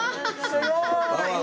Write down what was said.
すごーい。